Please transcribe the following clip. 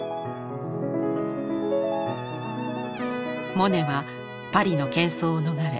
モネはパリのけん騒を逃れ